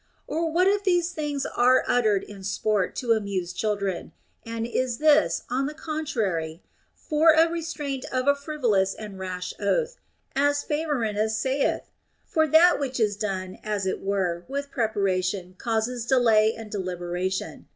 Or what if these things are uttered in sport to amuse children ; and is this, on the contrary, for a restraint of a frivolous and rash oath, as Favorinus saith I For that which is done, as it were, with prepara tion causes delay and deliberation.